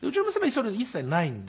それ一切ないんで。